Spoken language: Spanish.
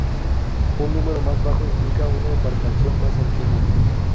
Un número más bajo implica una embarcación más antigua.